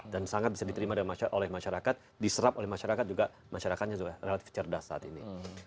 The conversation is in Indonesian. dan sangat bisa diterima oleh masyarakat diserap oleh masyarakat juga masyarakatnya juga relatif cerdas saat ini